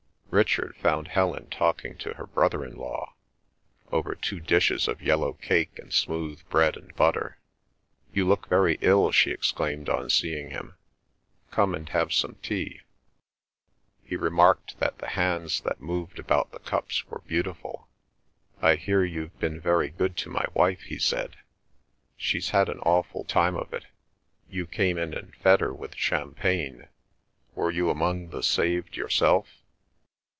Richard found Helen talking to her brother in law, over two dishes of yellow cake and smooth bread and butter. "You look very ill!" she exclaimed on seeing him. "Come and have some tea." He remarked that the hands that moved about the cups were beautiful. "I hear you've been very good to my wife," he said. "She's had an awful time of it. You came in and fed her with champagne. Were you among the saved yourself?"